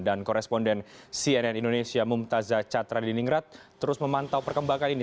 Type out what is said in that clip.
dan koresponden cnn indonesia mumtazah catra di ningrat terus memantau perkembangan ini